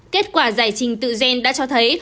kết quả giải trình tự gen đã cho thấy